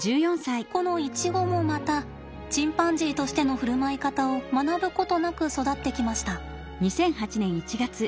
このイチゴもまたチンパンジーとしての振る舞い方を学ぶことなく育ってきました。